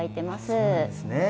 そうなんですね。